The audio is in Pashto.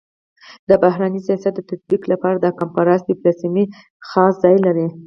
د بهرني سیاست د تطبيق لپاره د کنفرانس ډيپلوماسي خاص ځای لري.